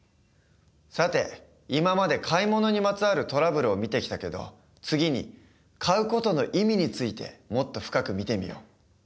さて今まで買い物にまつわるトラブルを見てきたけど次に買う事の意味についてもっと深く見てみよう。